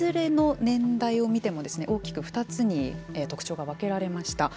いずれの年代を見ても大きく２つに特徴が分けられました。